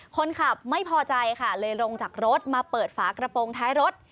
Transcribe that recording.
คนขับไม่พอใจค่ะเลยลงจากรถมาเปิดฝากระโปรงท้ายรถ